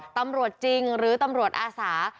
ตำรวจจริงหรือตำรวจอาสา